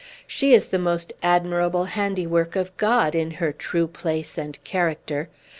"She is the most admirable handiwork of God, in her true place and character.